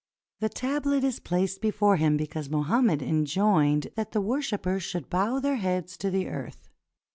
The tablet is placed before him because Mo hammed enjoined that the worshipers should bow their heads to the earth.